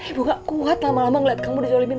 ibu gak kuat lama lama ngeliat kamu di zalimin